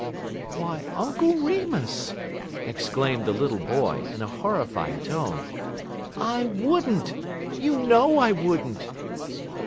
"Why, Uncle Remus," exclaimed the little boy, in a horrified tone, "I would n't; you know I would n't!"